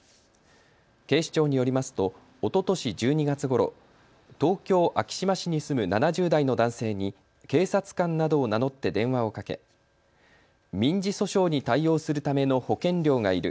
警視庁によりますとおととし１２月ごろ、東京昭島市に住む７０代の男性に警察官などを名乗って電話をかけ民事訴訟に対応するための保険料がいる。